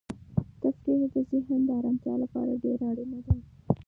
تفریح د ذهن د ارامتیا لپاره ډېره اړینه ده.